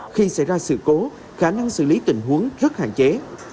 khi xảy ra sự cố khả năng xử lý tình huống rất hạn chế